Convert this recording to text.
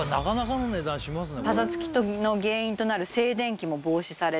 パサつきの原因となる静電気も防止されて。